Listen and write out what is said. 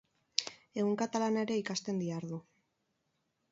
Egun katalana ere ikasten dihardu.